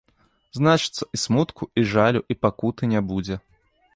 Значыцца, і смутку, і жалю, і пакуты не будзе.